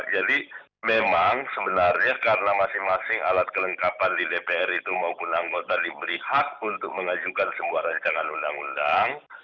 jadi memang sebenarnya karena masing masing alat kelengkapan di dpr itu maupun anggota diberi hak untuk mengajukan semua rancangan undang undang